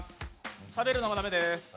しゃべるのも駄目です。